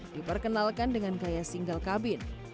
diperkenalkan dengan kaya single cabin